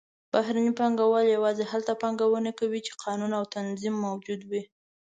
بهرني پانګهوال یوازې هلته پانګونه کوي چې قانون او نظم موجود وي.